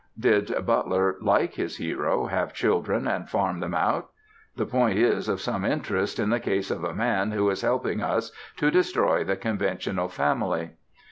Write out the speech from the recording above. Did Butler, like his hero, have children and farm them out? The point is of some interest in the case of a man who is helping us to destroy the conventional family.